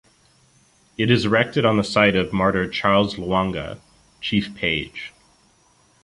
It is erected on the site of martyr Charles Lwanga, chief page.